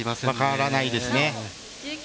わからないですね。